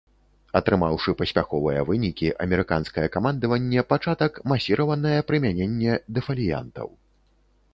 Атрымаўшы паспяховыя вынікі, амерыканскае камандаванне пачатак масіраванае прымяненне дэфаліянтаў.